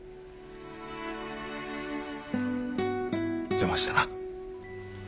邪魔したな。